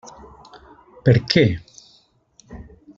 Per què…?